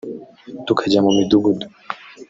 tukajya mu Midugudu